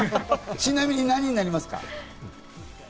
ちなみに何になりますか？